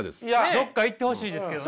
どっか行ってほしいですけどね。